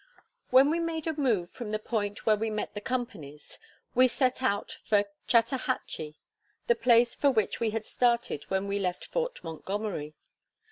When we made a move from the point where we met the companies, we set out for Chatahachy, the place for which we had started when we left Fort Montgomery.